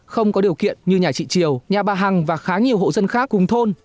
không có điều kiện như nhà chị triều nhà bà hằng và khá nhiều hộ dân khác cùng thôn